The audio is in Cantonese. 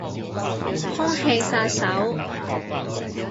空氣殺手